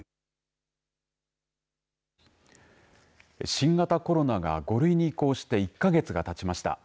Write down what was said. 新型コロナが５類に移行して１か月がたちました。